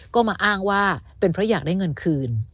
ก็มาอ้างว่าเป็นเพราะอยากได้เงินคืน